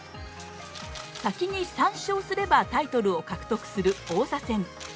先に３勝すればタイトルを獲得する王座戦。